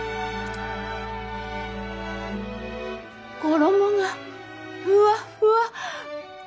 衣がふわっふわ。